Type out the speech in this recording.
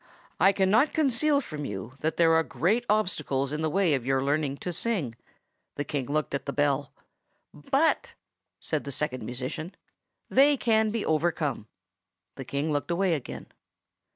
I cannot conceal from you that there are great obstacles in the way of your learning to sing—" The King looked at the bell. "But," said the Second Musician, "they can be overcome." The King looked away again.